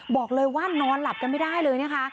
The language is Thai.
บอกเลยว่านอนหลับกันไม่ได้เลยนะคะ